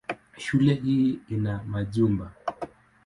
Shule hii hana majumba.